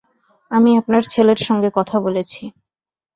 আমি আপনার ছেলের সঙ্গে কথা বলেছি।